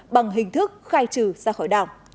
bằng hình thức khai trừ ra khỏi đảng